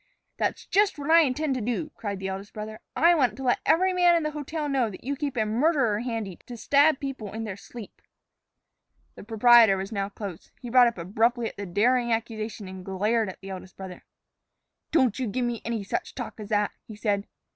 "That's just what I intend to do," cried the eldest brother. "I want to let every man in the hotel know that you keep a murderer handy to stab people in their sleep!" The proprietor was now close. He brought up abruptly at the daring accusation and glared at the eldest brother. "Don't you give me any such talk as that," he said.